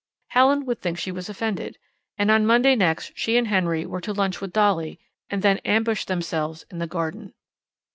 Helen would think she was offended. And on Monday next she and Henry were to lunch with Dolly, and then ambush themselves in the garden.